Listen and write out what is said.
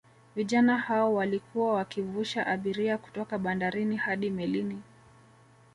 Vijana hao walikuwa wakivusha abiria kutoka bandarini hadi melini